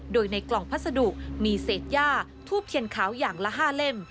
โดยในกล่องพัสดุมีเศษย่าทูบเทียนขาวอย่างละ๕เล่ม